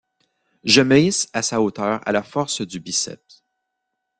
Je me hisse à sa hauteur à la force du biceps.